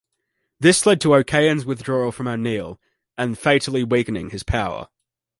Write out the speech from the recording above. This led to O'Cahan's withdrawal from O'Neill, and fatally weakening his power.